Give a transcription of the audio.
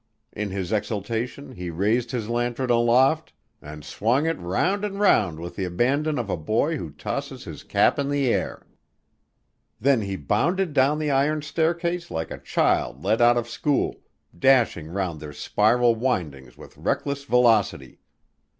In his exultation he raised his lantern aloft and swung it round and round with the abandon of a boy who tosses his cap in the air. Then he bounded down the iron staircase like a child let out of school, dashing round their spiral windings with reckless velocity.